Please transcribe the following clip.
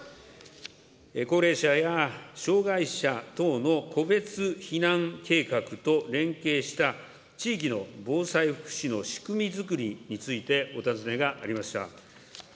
高齢者や障害者等の個別避難計画と連携した地域の防災福祉の仕組みづくりについてお尋ねがありました。